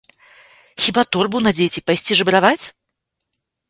Хіба торбу надзець і пайсці жабраваць?